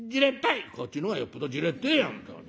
「こっちの方がよっぽどじれってえや本当に。